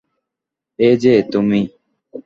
এই যে তুমি!